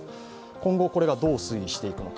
今後、これがどう推移していくのか